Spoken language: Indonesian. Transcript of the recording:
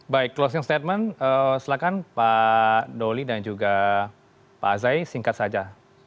baik closing statement silahkan pak doli dan juga pak azai singkat saja